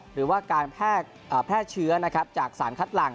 หรือว่าการแพร่เชื้อจากสารคัดหลัง